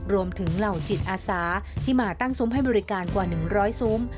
เหล่าจิตอาสาที่มาตั้งซุ้มให้บริการกว่า๑๐๐ซุ้ม